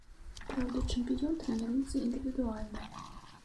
Праўда, чэмпіён трэніруецца індывідуальна.